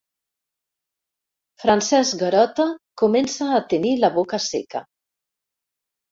Francesc Garota comença a tenir la boca seca.